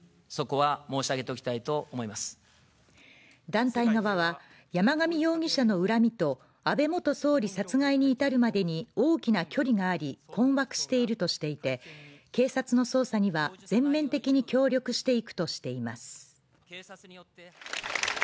団体側は、山上容疑者の恨みと安倍元総理殺害に至るまでに大きな距離があり困惑しているとしていて、警察の捜査には全面的に協力していくとしています。